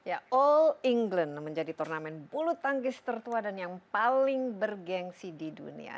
all england menjadi turnamen bulu tangki setertua dan yang paling bergensi di dunia